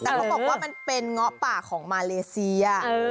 แต่เขาบอกว่ามันเป็นเงาะป่าของมาเลเซีย